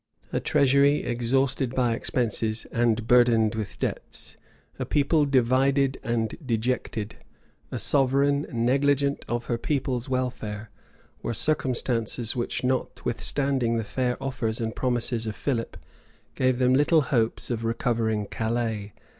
A treasury exhausted by expenses, and burdened with debts; a people divided and dejected; a sovereign negligent of her people's welfare; were circumstances which, notwithstanding the fair offers and promises of Philip, gave them small hopes of recovering Calais.